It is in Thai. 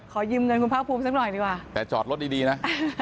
ยืมเงินคุณภาคภูมิสักหน่อยดีกว่าแต่จอดรถดีดีนะ